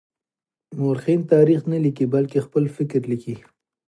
مورخين تاريخ نه ليکي بلکې خپل فکر ليکي.